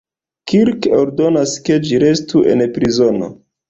Kirk ordonas ke ĝi restu en prizono.